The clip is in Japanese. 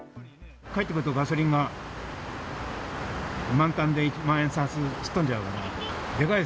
帰ってくるとガソリンが満タンで万札、吹っ飛んじゃうから。